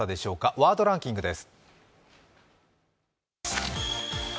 ワードランキングです。